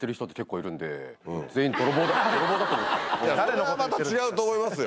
それはまた違うと思いますよ。